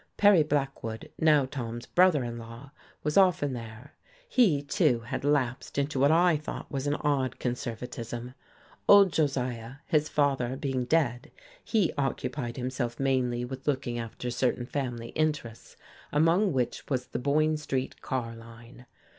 Perry Blackwood, now Tom's brother in law, was often there. He, too, had lapsed into what I thought was an odd conservatism. Old Josiah, his father, being dead, he occupied himself mainly with looking after certain family interests, among which was the Boyne Street car line.